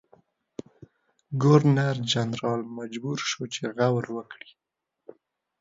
ګورنرجنرال مجبور شو چې غور وکړي.